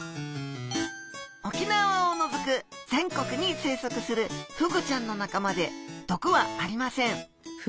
沖縄を除く全国に生息するフグちゃんの仲間で毒はありません。